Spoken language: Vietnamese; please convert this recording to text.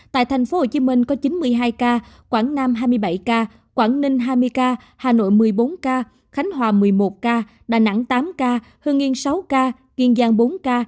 tại tp hcm có chín mươi hai ca quảng nam hai mươi bảy ca quảng ninh hai mươi ca hà nội một mươi bốn ca khánh hòa một mươi một ca đà nẵng tám ca hương yên sáu ca